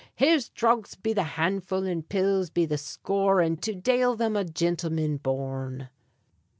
Here's dhrugs be the handful and pills be the score, And to dale thim a gintleman born.